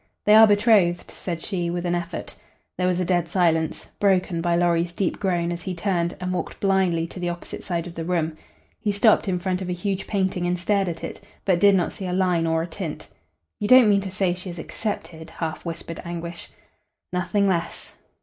"They are betrothed," said she, with an effort. There was a dead silence, broken by Lorry's deep groan as he turned and walked blindly to the opposite side of the room. He stopped in front of a huge painting and stared at it, but did not see a line or a tint. "You don't mean to say she has accepted?" half whispered Anguish. "Nothing less."